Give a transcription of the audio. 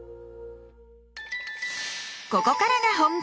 ここからが本番！